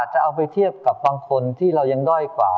ช่วยฝังดินหรือกว่า